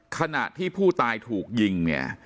ขณะที่ผู้ตายถูกยิง